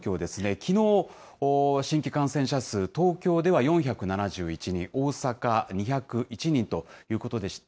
きのう新規感染者数、東京では４７１人、大阪２０１人ということでした。